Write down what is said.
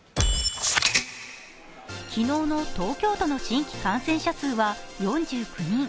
昨日の東京都の新規感染者数は４９人。